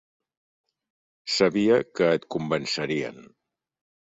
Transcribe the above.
Sabia que et convencerien.